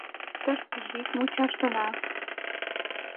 Тыштыже ик мучаш гына...